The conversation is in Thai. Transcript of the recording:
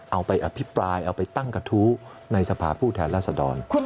เอาไปอภิปรายเอาไปตั้งกระทู้ในสภาพผู้แทนรัศดร